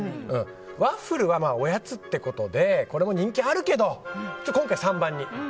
ワッフルはおやつってことでこれも人気あるけど今回は３番に。